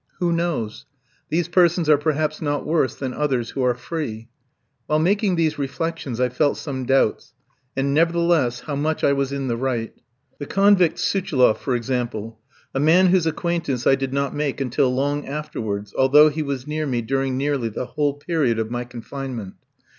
Who knows? These persons are perhaps not worse than others who are free. While making these reflections I felt some doubts, and, nevertheless, how much I was in the right! The convict Suchiloff, for example; a man whose acquaintance I did not make until long afterwards, although he was near me during nearly the whole period of my confinement.